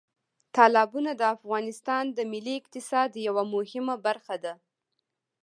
تالابونه د افغانستان د ملي اقتصاد یوه مهمه برخه ده.